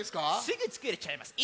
すぐつくれちゃいます。